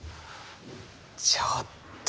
ちょっと。